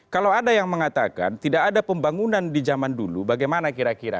kalau ada yang mengatakan tidak ada pembangunan di zaman dulu bagaimana kira kira